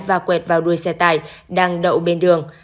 và quẹt vào đuôi xe tải đang đậu bên đường